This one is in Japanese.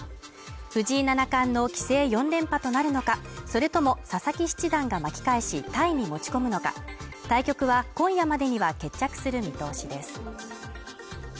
藤井七冠の棋聖４連覇となるのか、それとも佐々木七段が巻き返し、タイに持ち込むのか、対局は今夜までには決着する見通しです。